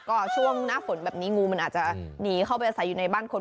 ก็ช่วงหน้าฝนแบบนี้งูมันอาจจะหนีเข้าไปอาศัยอยู่ในบ้านคน